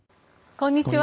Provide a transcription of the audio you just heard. こんにちは。